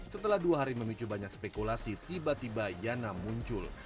setelah dua hari memicu banyak spekulasi tiba tiba yana muncul